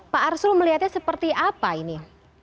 pak arsul melihatnya seperti apa ini